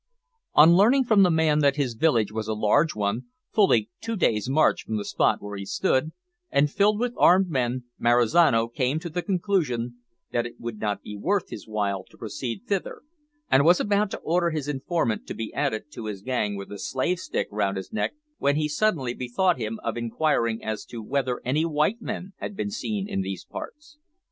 On learning from the man that his village was a large one, fully two days' march from the spot where he stood, and filled with armed men, Marizano came to the conclusion that it would not be worth his while to proceed thither, and was about to order his informant to be added to his gang with a slave stick round his neck, when he suddenly bethought him of inquiring as to whether any white men had been seen in these parts.